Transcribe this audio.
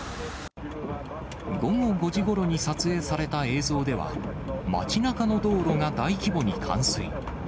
午後５時ごろに撮影された映像では、町なかの道路が大規模に冠水。